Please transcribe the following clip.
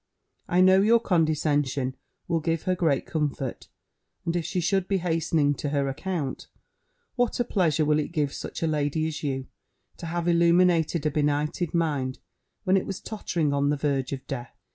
I know your condescension will give her great comfort; and if she should be hastening to her account, what a pleasure will it give such a lady as you, to have illuminated a benighted mind, when it was tottering on the verge of death!